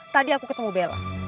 tadi aku ketemu bella